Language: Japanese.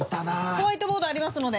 ホワイトボードありますので。